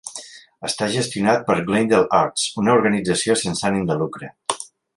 Està gestionat per Glendale Arts, una organització sense ànim de lucre.